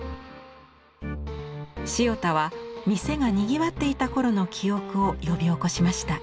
塩田は店がにぎわっていた頃の記憶を呼び起こしました。